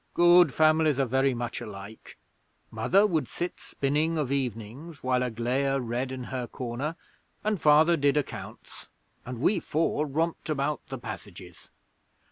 'Good families are very much alike. Mother would sit spinning of evenings while Aglaia read in her corner, and Father did accounts, and we four romped about the passages.